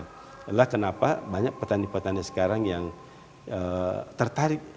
itulah kenapa banyak petani petani sekarang yang tertarik